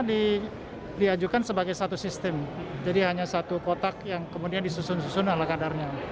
diajukan sebagai satu sistem jadi hanya satu kotak yang kemudian disusun susun ala kadarnya